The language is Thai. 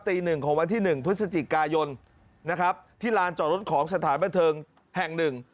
ตี๑ของวันที่๑พฤศจิกายนที่ลานจอดรถของสถานบนเทิงแห่งหนึ่ง